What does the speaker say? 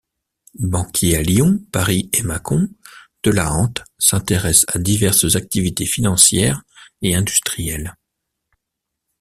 Banquier à Lyon, Paris et Mâcon, Delahante s'intéresse à diverses activités financières et industrielles.